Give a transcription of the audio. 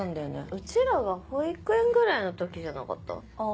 うちらが保育園ぐらいの時じゃなかった？